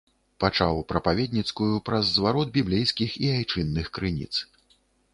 Пачаў прапаведніцкую праз зварот біблейскіх і айчынных крыніц.